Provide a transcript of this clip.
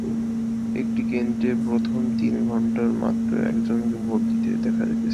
একটি কেন্দ্রে প্রথম তিন ঘণ্টায় মাত্র একজনকে ভোট দিতে দেখা গেছে।